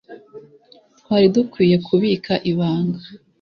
twari dukwiye kubika ibanga